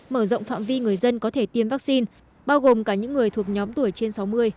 mở rộng phạm vi người dân có thể tiêm vaccine bao gồm cả những người thuộc nhóm tuổi trên sáu mươi